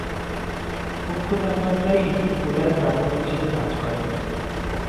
কক্ষতাপমাত্রায় এটি পোলার দ্রাবক হিসেবে কাজ করে।